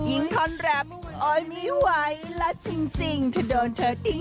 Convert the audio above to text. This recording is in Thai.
อิงทรรัพย์ออยมีไหวและจริงถ้าโดนเธอดิ้ง